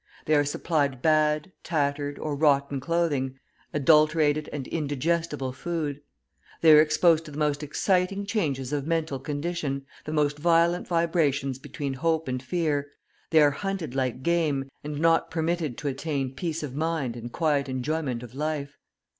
They are supplied bad, tattered, or rotten clothing, adulterated and indigestible food. They are exposed to the most exciting changes of mental condition, the most violent vibrations between hope and fear; they are hunted like game, and not permitted to attain peace of mind and quiet enjoyment of life.